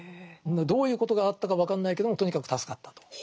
どういうことがあったか分かんないけどもとにかく助かったと。